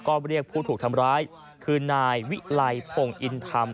ก็เรียกผู้ถูกทำร้ายคือนายวิไลพงศ์อินธรรม